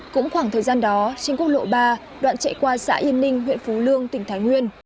cũng khoảng thời gian đó trên quốc lộ ba đoạn chạy qua xã yên ninh huyện phú lương tỉnh thái nguyên